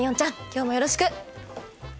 今日もよろしく。